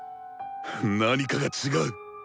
何かが違う。